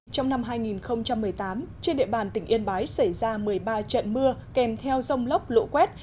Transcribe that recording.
trong năm hai nghìn một mươi tám trên địa bàn tỉnh yên bái xảy ra một mươi ba trận mưa kèm theo rông lốc lũ quét